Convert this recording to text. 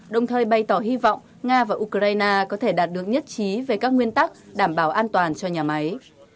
đồng thời bày tỏ hy vọng nga và ukraine có thể đạt được nhất trí về các nguyên tắc đảm bảo an toàn cho nhà máy